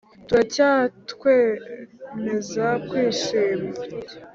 turacyatwemeza kwishima;